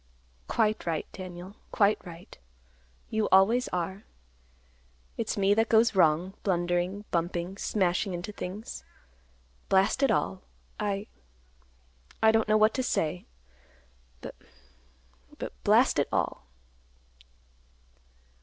"Quite right, Daniel; quite right. You always are. It's me that goes wrong; blundering, bumping, smashing into things. Blast it all! I—I don't know what to say. B—B—Blast it all!"